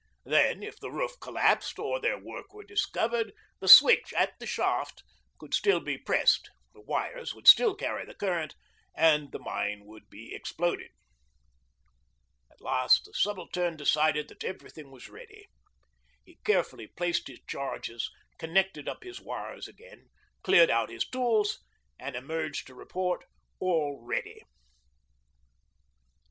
Then, if the roof collapsed or their work were discovered, the switch at the shaft could still be pressed, the wires would still carry the current, and the mine would be exploded. At last the Subaltern decided that everything was ready. He carefully placed his charges, connected up his wires again, cleared out his tools, and emerged to report 'all ready.'